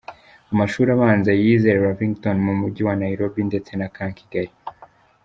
Amashuri abanza yize Lavington mu Mujyi wa Nairobi ndetse na Camp Kigali.